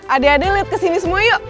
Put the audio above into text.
adik adik lihat kesini semua yuk